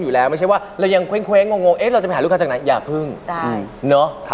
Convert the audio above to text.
คุณเกลมาคุยสิสวัสดีค่ะคุณเกลคุณเกลคุณเกลคุณเกลคุณเกลคุณเกลคุณเกลคุณเกล